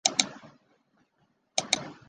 钝额岩瓷蟹为瓷蟹科岩瓷蟹属下的一个种。